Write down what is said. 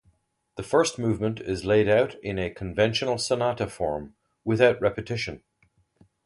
The first movement is laid out in a conventional sonata form without repetition.